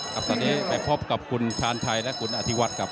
ครับตอนนี้ไปพบกับคุณชาญชัยและคุณอธิวัฒน์ครับ